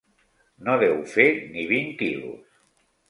No deu fer ni vint quilos.